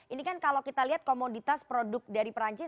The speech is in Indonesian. ini kan kalau kita lihat komoditas produk dari perancis